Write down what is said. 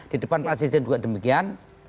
di depan pak sekjen juga demikian